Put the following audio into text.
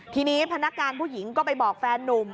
ทีนี้พนักงานผู้หญิงก็ไปบอกแฟนนุ่ม